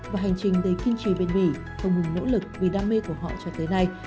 và hành trình đầy kiên trì bền bỉ không ngừng nỗ lực vì đam mê của họ cho tới nay